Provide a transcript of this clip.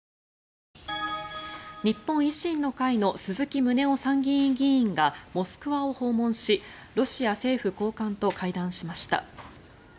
日本維新の会の鈴木宗男参議院議員がモスクワを訪問しロシア政府高官と会談しました。